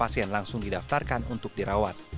pasien langsung didaftarkan untuk dirawat